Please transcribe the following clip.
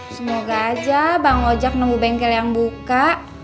semoga aja bang ojek nunggu bengkel yang buka